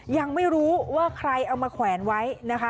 ยังไม่รู้ว่าใครเอามาแขวนไว้นะคะ